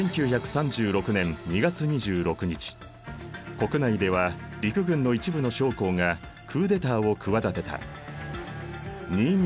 国内では陸軍の一部の将校がクーデターを企てた。